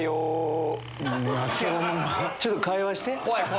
ちょっと会話して。